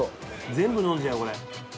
全部飲んじゃうこれ。